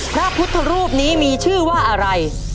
พระพุทธรูปนี้มีชื่อว่าอะไร